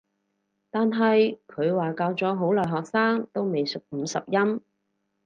但係佢話教咗好耐學生都未熟五十音